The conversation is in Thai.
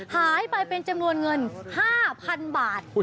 หายไปเป็นจำนวนเงิน๕๐๐๐บาท